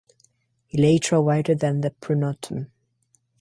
Elytra wider than the pronotum.